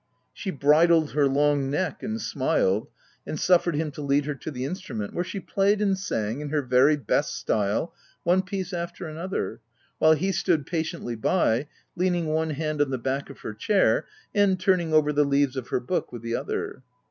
She bridled her long neck and smiled, and suffered him to lead her to the instrument, where she played and sang, in her very best /2 THE TENANT style, one piece after another ; while he stood patiently by, leaning one hand on the back of her chair, and turning over the leaves of her book with the other.